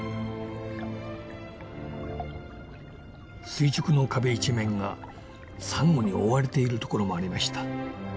垂直の壁一面がサンゴに覆われている所もありました。